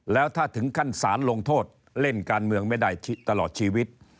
แล้วถ้าถึงขั้นสารลงโทษเล่นการเมืองไม่ได้ตลอดชีวิต